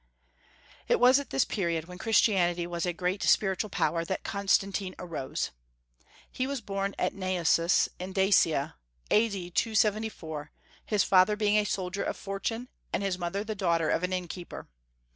It was at this period, when Christianity was a great spiritual power, that Constantine arose. He was born at Naissus, in Dacia, A.D. 274, his father being a soldier of fortune, and his mother the daughter of an innkeeper.